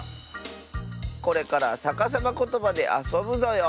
これからさかさまことばであそぶぞよ。